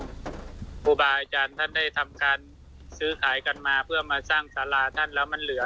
ครูบาอาจารย์ท่านได้ทำการซื้อขายกันมาเพื่อมาสร้างสาราท่านแล้วมันเหลือ